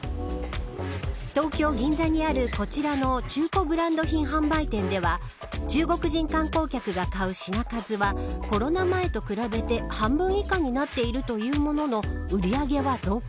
東京・銀座にあるこちらの中古ブランド品販売店では中国人観光客が買う品数はコロナ前と比べて半分以下になっているというものの売上は増加。